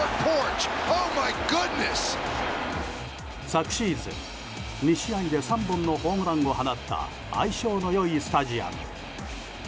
昨シーズン、２試合で３本のホームランを放った相性の良いスタジアム。